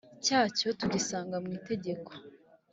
cyacyo tugisanga mu itegeko